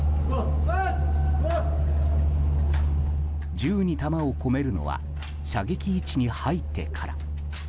銃に弾を込めるのは射撃位置に入ってから。